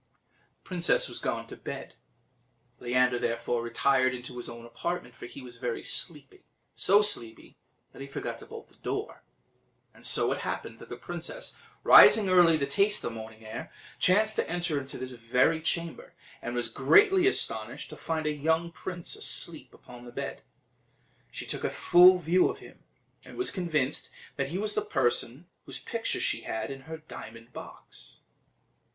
The princess was gone to bed. Leander, therefore, retired into his own apartment, for he was very sleepy so sleepy that he forgot to bolt his door; and so it happened that the princess, rising early to taste the morning air, chanced to enter into this very chamber, and was greatly astonished to find a young prince asleep upon the bed. She took a full view of him, and was convinced that he was the person whose picture she had in her diamond box.